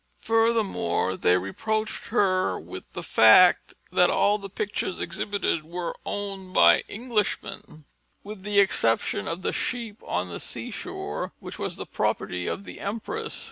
Furthermore, they reproached her with the fact that all the pictures exhibited were owned by Englishmen, with the single exception of the Sheep on the Seashore, which was the property of the Empress.